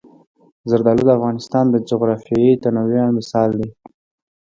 زردالو د افغانستان د جغرافیوي تنوع مثال دی.